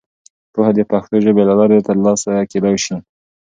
پوهه د پښتو ژبې له لارې ترلاسه کېدای سي.